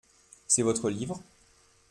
C’est votre livre ?